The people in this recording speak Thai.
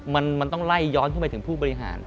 มันต้องไล่ย้อนขึ้นไปถึงผู้บริหาร